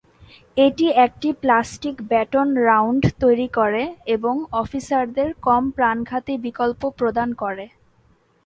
এটি একটি 'plastic baton round' তৈরি করে এবং অফিসারদের কম প্রাণঘাতী বিকল্প প্রদান করে।